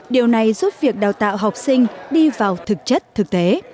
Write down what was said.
điều này giúp việc đào tạo học sinh đi vào thực chất thực tế